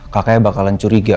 kakaknya bakalan curiga